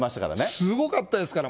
すごかったですから。